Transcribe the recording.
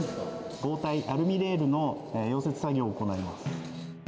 剛体アルミレールの溶接作業を行います。